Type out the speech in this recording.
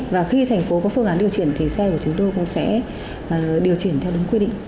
và khi thành phố có phương án điều chỉnh thì xe của chúng tôi cũng sẽ điều chỉnh theo đúng quy định